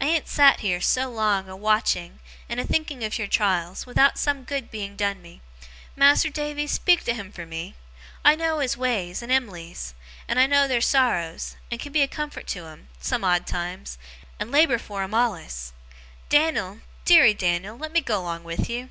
I ain't sat here, so long, a watching, and a thinking of your trials, without some good being done me. Mas'r Davy, speak to him for me! I knows his ways, and Em'ly's, and I knows their sorrows, and can be a comfort to 'em, some odd times, and labour for 'em allus! Dan'l, deary Dan'l, let me go 'long with you!